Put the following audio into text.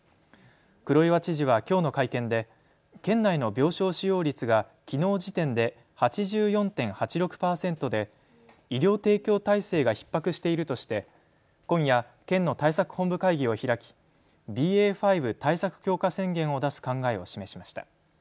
黒岩知事はきょうの会見で県内の病床使用率がきのう時点で８４．８６％で医療提供体制がひっ迫しているとして今夜、県の対策本部会議を開き、ＢＡ．５対策強化宣言を出す考えを示しました。